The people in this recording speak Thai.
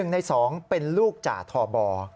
๑ใน๒เป็นลูกจ่าทอบ